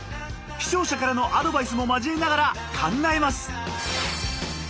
視聴者からのアドバイスも交えながら考えます。